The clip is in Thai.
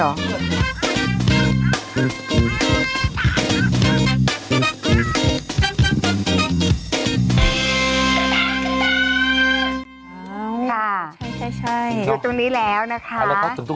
อ้าวใช่อยู่ตรงนี้แล้วนะคะนี่ค่ะดูแลตัวเองนิดนึง